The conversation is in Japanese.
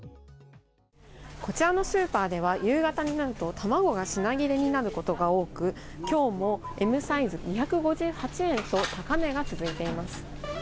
こちらのスーパーでは夕方になると卵が品切れになることが多く今日もＭサイズ２５８円と高値が続いています。